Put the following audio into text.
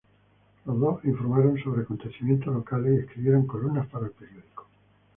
Los dos informaron sobre acontecimientos locales y escribieron columnas para el periódico.